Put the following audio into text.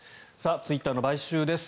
ツイッターの買収です。